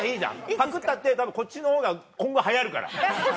パクったってこっちのほうが今後流行るから。